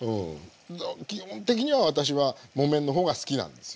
基本的には私は木綿の方が好きなんですよ。